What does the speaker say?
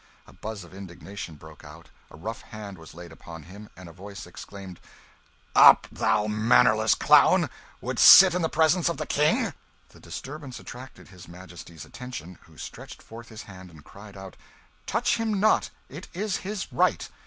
A buzz of indignation broke out, a rough hand was laid upon him and a voice exclaimed "Up, thou mannerless clown! would'st sit in the presence of the King?" The disturbance attracted his Majesty's attention, who stretched forth his hand and cried out "Touch him not, it is his right!"